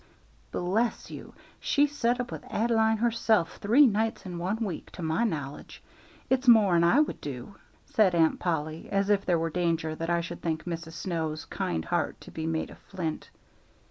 "Bless you, she set up with Ad'line herself three nights in one week, to my knowledge. It's more'n I would do," said Aunt Polly, as if there were danger that I should think Mrs. Snow's kind heart to be made of flint.